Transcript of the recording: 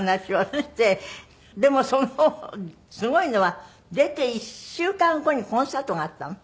でもそのすごいのは出て１週間後にコンサートがあったの？